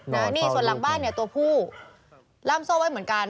นี่ส่วนหลังบ้านเนี่ยตัวผู้ล่ามโซ่ไว้เหมือนกัน